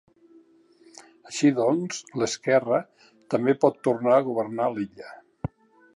Així doncs, l’esquerra també pot tornar a governar a l’illa.